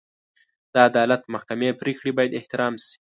د عدالت محکمې پرېکړې باید احترام شي.